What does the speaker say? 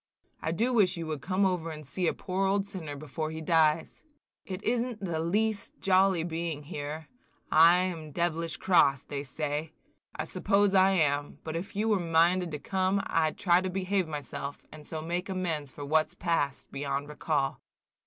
I do wish you would come over and see a poor old sinner before he dies. It is n't in the least jolly being here, and I am dev'lish cross, they say. I suppose I am, but if you were minded to come I 'd try and behave myself, and so make amends for what 's past beyond recall.